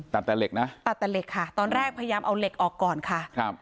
ตัดแต่เหล็กนะตัดแต่เหล็กค่ะตอนแรกพยายามเอาเหล็กออกก่อนค่ะครับ